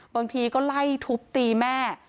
บางทีก็ไล่ทุบตีแม่